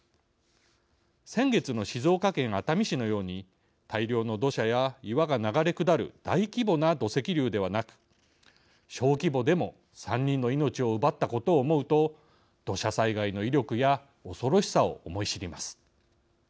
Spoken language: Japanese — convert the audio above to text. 先月の静岡県熱海市のように大量の土砂や岩が流れ下る大規模な土石流ではなく小規模でも３人の命を奪ったことを思うと土砂災害の威力や恐ろしさを思い知ります。